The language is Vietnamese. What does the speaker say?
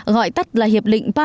gọi tắt là hiệp định paris